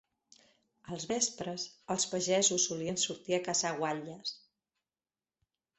Als vespres, els pagesos solien sortir a caçar guatlles